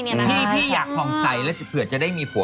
พี่อยากผ่องใสแล้วเผื่อจะได้มีผัว